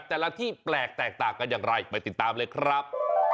แต่ละที่แปลกแตกต่างกันอย่างไรไปติดตามเลยครับ